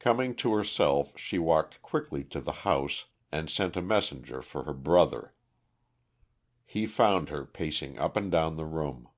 Coming to herself she walked quickly to the house and sent a messenger for her brother. He found her pacing up and down the room.